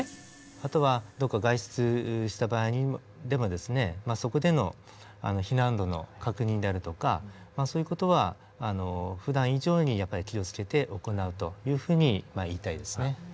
あとはどこか外出した場合でもそこでの避難路の確認であるとかそういう事はふだん以上にやっぱり気を付けて行うというふうに言いたいですね。